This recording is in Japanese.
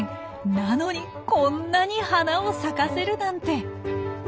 なのにこんなに花を咲かせるなんて。